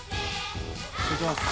失礼します。